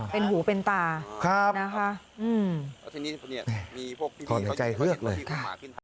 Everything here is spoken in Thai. เป็นหูเป็นตาครับนะค่ะอืมทอนในใจเยอะเลยค่ะ